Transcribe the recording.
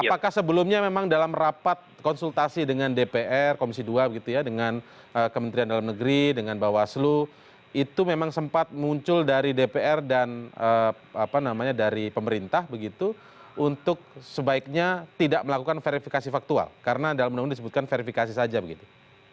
apakah sebelumnya memang dalam rapat konsultasi dengan dpr komisi dua dengan kementerian dalam negeri dengan bawaslu itu memang sempat muncul dari dpr dan dari pemerintah begitu untuk sebaiknya tidak melakukan verifikasi faktual karena dalam undang undang disebutkan verifikasi saja begitu